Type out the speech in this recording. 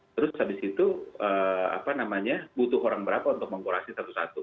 terus habis itu apa namanya butuh orang berapa untuk mengkorasi satu satu